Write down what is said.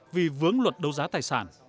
vì vướng luật đấu giá tài sản